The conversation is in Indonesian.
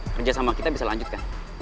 kerja sama kita bisa lanjut kan